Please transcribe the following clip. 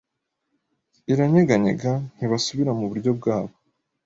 iranyeganyegaNtibasubira muburyo bwabo